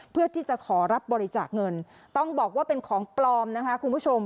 เพื่อที่จะขอรับบริจาคเงินต้องบอกว่าเป็นของปลอมนะคะคุณผู้ชม